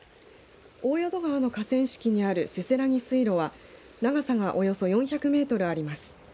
大淀川の河川敷にあるせせらぎ水路は長さがおよそ４００メートルあります。